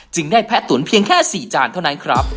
ได้แพะตุ๋นเพียงแค่๔จานเท่านั้นครับ